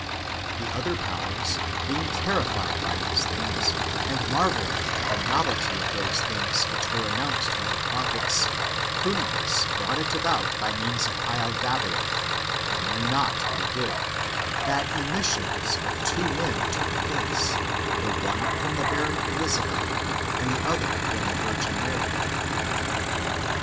The [other] powers being terrified by these things, and marvelling at the novelty of those things which were announced by the prophets, Prunicus brought it about by means of laldabaoth (who knew not what he did), that emissions of two men took place, the one from the barren Elizabeth, and the other from the Virgin Mary.